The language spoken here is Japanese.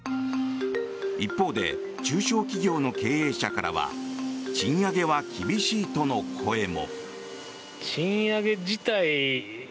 一方で中小企業の経営者からは賃上げは厳しいとの声も。